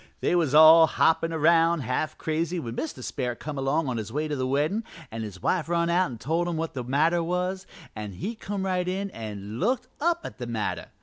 "They was all hoppin' around half crazy when Mr. Sperrit come along on his way to the weddin' an' his wife run out an' told him what was the matter an' he come right in an' looked up at the matter.